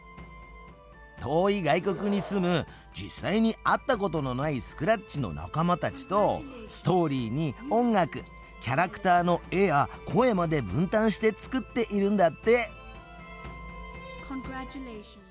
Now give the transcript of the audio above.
遠い外国に住む実際に会ったことのないスクラッチの仲間たちとストーリーに音楽キャラクターの絵や声まで分担して作っているんだって。